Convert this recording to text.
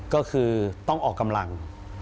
ก็คือต้องออกกำลัง